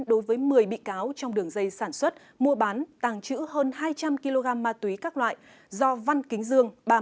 đối với một mươi bị cáo trong đường dây sản xuất mua bán tàng trữ hơn hai trăm linh kg ma túy các loại do văn kính dương